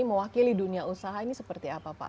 mewakili dunia usaha ini seperti apa pak